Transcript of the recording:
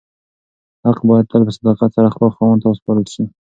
حق باید تل په صداقت سره خپل خاوند ته وسپارل شي.